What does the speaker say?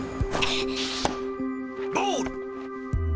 ボール！